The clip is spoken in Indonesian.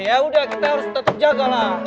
ya udah kita harus tetap jaga lah